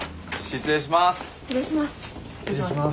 失礼します。